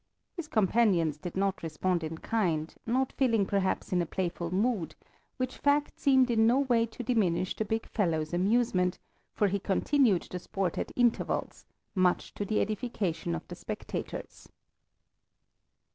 His companions did not respond in kind, not feeling perhaps in a playful mood, which fact seemed in no way to diminish the big fellow's amusement, for he continued the sport at intervals much to the edification of the spectators.